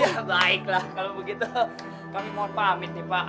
ya baiklah kalau begitu kami mohon pamit nih pak